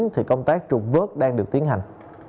thì công tác trục vớt đang được tiến hành